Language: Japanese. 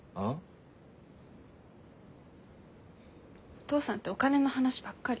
お父さんってお金の話ばっかり。